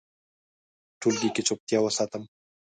ټولګي کې چوپتیا وساتم.